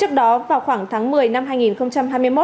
trước đó vào khoảng tháng một mươi năm hai nghìn hai mươi một